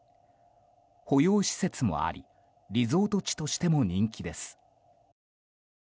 保養施設もありリゾート地としても人気です。